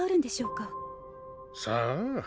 さあ。